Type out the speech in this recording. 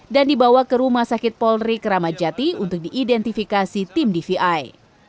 dan dibawa ke rumah sakit polri keramajati untuk diidentifikasi tim dvi